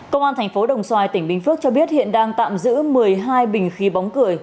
công an thành phố đồng xoài tỉnh bình phước cho biết hiện đang tạm giữ một mươi hai bình khí bóng cười